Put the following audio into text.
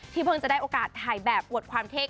เพิ่งจะได้โอกาสถ่ายแบบอวดความเท่